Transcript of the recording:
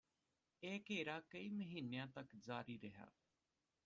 ਇਹ ਘੇਰਾ ਕਈ ਮਹੀਨਿਆਂ ਤੱਕ ਜਾਰੀ ਰਿਹਾ